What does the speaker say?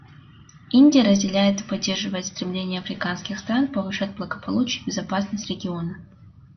Индия разделяет и поддерживает стремление африканских стран повышать благополучие и безопасность региона.